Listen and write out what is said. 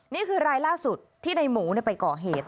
นี่คือรายล่าสุดที่ในหมูไปก่อเหตุ